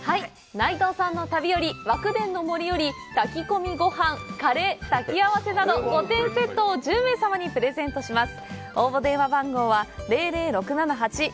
内藤さんの旅より、和久傳ノ森より炊き込みご飯、カレー、炊き合わせなど５点セットを１０名様にプレゼントします。